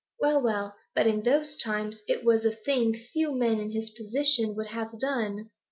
'Well, well, but in those times it was a thing few men in his position would have done.